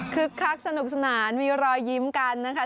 คักสนุกสนานมีรอยยิ้มกันนะคะ